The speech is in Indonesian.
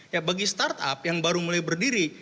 ya bagi startup yang baru mulai berdiri